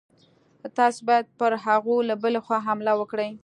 تاسي باید پر هغوی له بلې خوا حمله وکړئ.